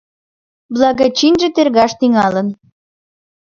Благочинже тергаш тӱҥалын...